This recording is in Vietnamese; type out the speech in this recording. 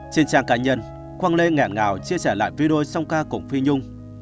trên trang cá nhân quang lê ngẹn ngào chia sẻ lại video song ca cùng phi nhung